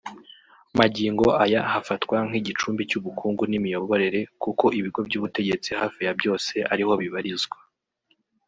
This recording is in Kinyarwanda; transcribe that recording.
Magingo aya hafatwa nk’igicumbi cy’ubukungu n’imiyoborere kuko ibigo by’ubutegetsi hafi ya byose ariho bibarizwa